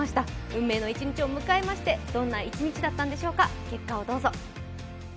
運命の一日を迎えましてどんな一日だったのでしょうか、結果をどうぞ。